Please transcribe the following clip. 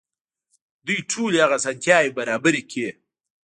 دوی ټولې هغه اسانتياوې برابرې کړې.